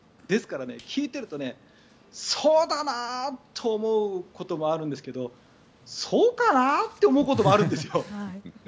ですから、聞いてるとそうだなと思うこともあるんですけどそうかな？って思うこともあるんですよ。